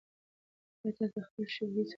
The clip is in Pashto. ایا تاسي د خپلې شبکې سرعت اندازه کړی دی؟